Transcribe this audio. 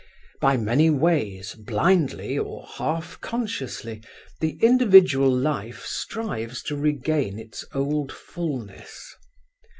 By many ways blindly or half consciously the individual life strives to regain its old fullness.